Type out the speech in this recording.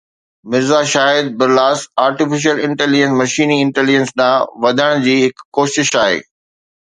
Mirza Shahid Barlas artificial intelligence مشيني intelligence ڏانهن وڌڻ جي هڪ ڪوشش آهي